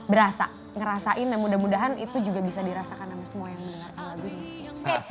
berasa ngerasain dan mudah mudahan itu juga bisa dirasakan sama semua yang mendengarkan lagunya sih oke